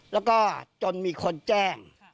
แล้วก็จนมีคนแจ้ง